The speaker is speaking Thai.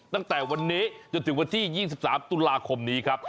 ตั้งแต่วันนี้จนถึงวันที่๒๓ตุลาคมนี้ครับ